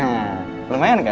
nah lumayan kan